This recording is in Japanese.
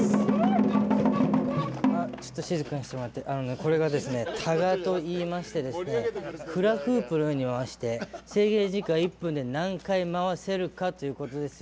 これがタガといいましてフラフープのように回して制限時間１分で何回回せるかということです。